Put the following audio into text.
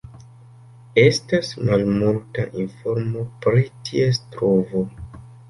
Estas malmulta informo pri ties trovo.